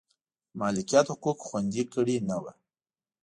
د مالکیت حقوق خوندي کړي نه و.